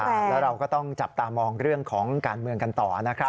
แล้วเราก็ต้องจับตามองเรื่องของการเมืองกันต่อนะครับ